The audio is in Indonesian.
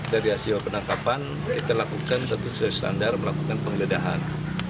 dari hasil penangkapan kita lakukan satu standar melakukan penggeledahan